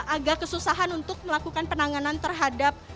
agak kesusahan untuk melakukan penanganan terhadap